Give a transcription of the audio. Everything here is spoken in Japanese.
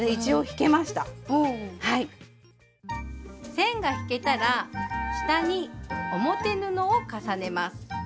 線が引けたら下に表布を重ねます。